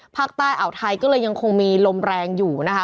อ่าวไทยก็เลยยังคงมีลมแรงอยู่นะคะ